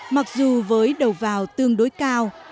mặc dù với đầu vào tương đối cao